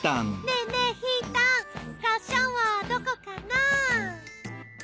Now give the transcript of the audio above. えひーたんがっしゃんはどこかなぁ？